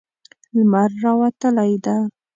لمر راوتلی ده